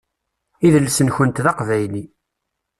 Idles-nkent d aqbayli.